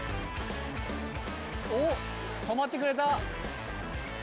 止まってくれた！